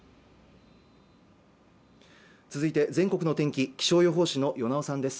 続いて全国の天気気象予報士の與猶さんです